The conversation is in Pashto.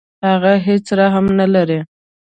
هغه هیڅ رحم نه لري.